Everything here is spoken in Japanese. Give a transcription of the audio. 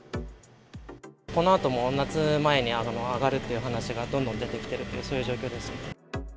このあとも夏前に上がるっていう話がどんどん出てきているって、そういう状況です。